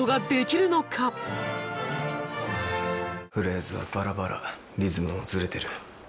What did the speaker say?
フレーズはバラバラリズムもずれてる。